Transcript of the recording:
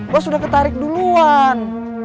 bos udah ketarik duluan